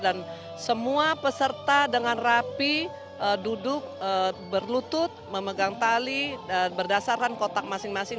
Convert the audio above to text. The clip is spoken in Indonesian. dan semua peserta dengan rapi duduk berlutut memegang tali berdasarkan kotak masing masing